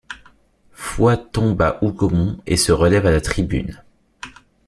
Foy tombe à Hougomont et se relève à la tribune.